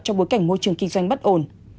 trong bối cảnh môi trường kinh doanh bất ổn